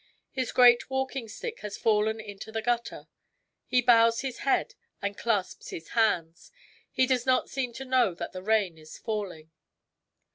His great walking stick has fallen into the gutter. He bows his head and clasps his hands. He does not seem to know that the rain is falling.